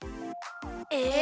えっ？